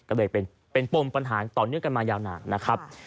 ก็เลยเป็นปมปัญหาต่อเนื่องกันมายาวนานนะครับ